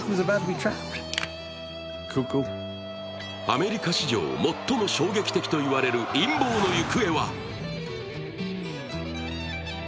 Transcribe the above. アメリカ史上最も衝撃的といわれる陰謀の行方は？